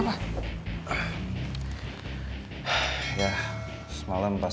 jangan cinta dua